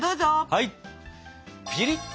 はい！